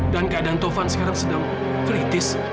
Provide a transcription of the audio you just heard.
dan keadaan taufan sekarang sedang kritis